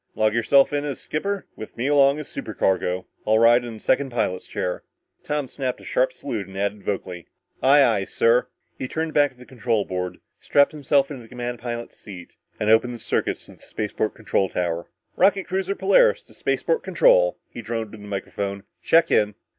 "Log yourself in as skipper with me along as supercargo. I'll ride in the second pilot's chair." Tom snapped a sharp salute and added vocally, "Aye, aye, sir!" He turned back to the control board, strapped himself into the command pilot's seat and opened the circuit to the spaceport control tower. "Rocket cruiser Polaris to spaceport control," he droned into the microphone. "Check in!"